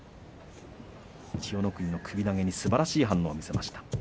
千代の国の首投げにすばらしい反応を見せました。